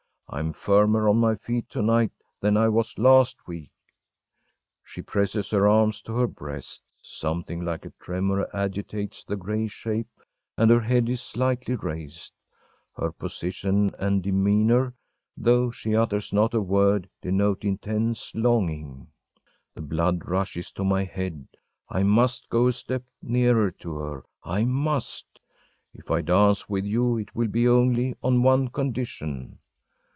I am firmer on my feet to night than I was last week!‚ÄĚ She presses her arms to her breast, something like a tremor agitates the gray shape, and her head is slightly raised. Her position and demeanor, though she utters not a word, denote intense longing. The blood rushes to my head I must go a step nearer to her I must! “If I dance with you, it will be only on one condition!